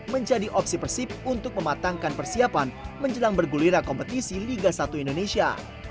menjadi opsi persib untuk mematangkan persiapan menjelang berguliran kompetisi liga satu indonesia